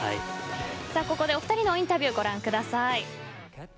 ここでお二人のインタビューをご覧ください。